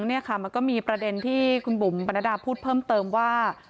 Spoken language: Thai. เนี่ยค่ะมันก็มีประเด็นที่คุณบุ๋มปรณดาพูดเพิ่มเติมว่า